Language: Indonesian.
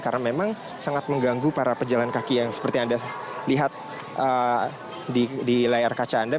karena memang sangat mengganggu para pejalan kaki yang seperti yang anda lihat di layar kaca anda